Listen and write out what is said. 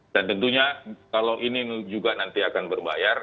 dan tentunya kalau ini juga nanti akan berbayar